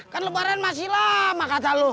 kan lebaran masih lama kata lo